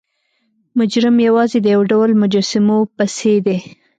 مجرم یوازې د یو ډول مجسمو پسې دی.